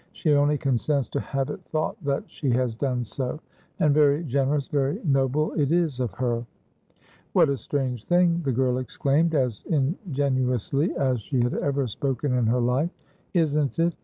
She only consents to have it thought that she has done so. And very generous, very noble, it is of her." "What a strange thing!" the girl exclaimed, as ingenuously as she had ever spoken in her life. "Isn't it!